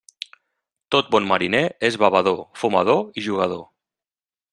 Tot bon mariner és bevedor, fumador i jugador.